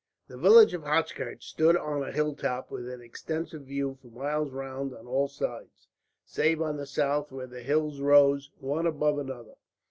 The village of Hochkirch stood on a hilltop, with an extensive view for miles round on all sides; save on the south, where hills rose one above another.